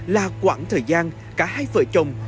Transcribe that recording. là quãng thời gian cả hai vợ chồng